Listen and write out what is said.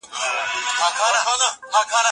فشار د ارامتیا مخه نیسي.